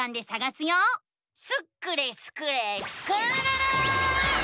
スクれスクれスクるるる！